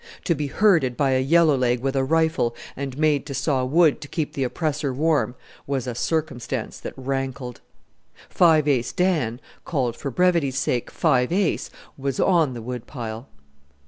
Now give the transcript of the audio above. To be herded by a yellow leg with a rifle, and made to saw wood to keep the oppressor warm, was a circumstance that rankled. Five Ace Dan called, for brevity's sake, Five Ace was on the Wood pile.